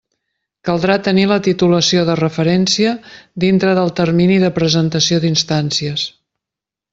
Caldrà tenir la titulació de referència dintre del termini de presentació d'instàncies.